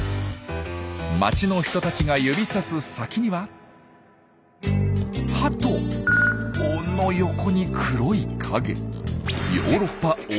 街の人たちが指さす先にはハトの横に黒い影。